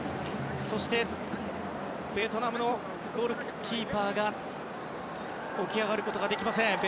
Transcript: そして、ベトナムのゴールキーパーが起き上がることができません。